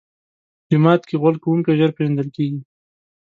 جومات کې غول کوونکی ژر پېژندل کېږي.